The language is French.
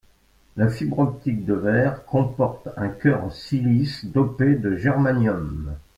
La fibre optique de verre comporte un cœur en silice dopé de germanium.